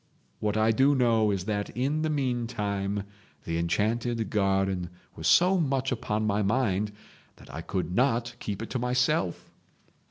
What I do know is that in the meantime the enchanted garden was so much upon my mind that I could not keep it to myself.